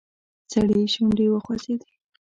سړي شونډې وخوځېدې.